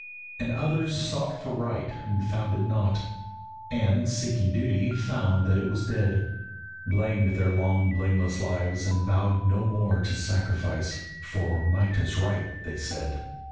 And others sought for right and found it not, And, seeking duty, found that it was dead, Blamed their long blameless lives and vowed no more To sacrifice, for "Might is right" they said.